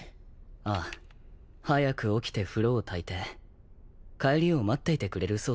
ああ早く起きて風呂をたいて帰りを待っていてくれるそうでござる。